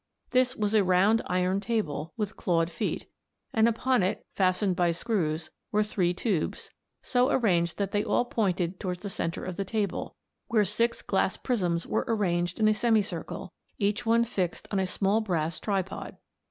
This was a round iron table, with clawed feet, and upon it, fastened by screws, were three tubes, so arranged that they all pointed towards the centre of the table, where six glass prisms were arranged in a semicircle, each one fixed on a small brass tripod.